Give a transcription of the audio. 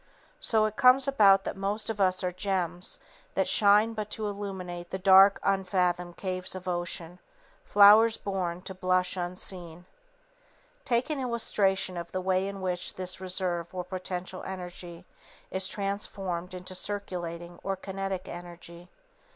So it comes about that most of us are gems that shine but to illumine the "dark unfathomed caves of ocean," flowers born to "blush unseen." [Sidenote: Mental Effect of City Life] Take an illustration of the way in which this reserve or potential energy is transformed into circulating or kinetic energy.